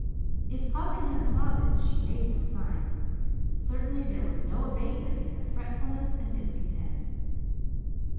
If Pollyanna saw this she made no sign. Certainly there was no abatement in her fretfulness and discontent.